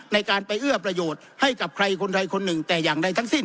ในการไปเอื้อประโยชน์ให้กับใครคนใดคนหนึ่งแต่อย่างใดทั้งสิ้น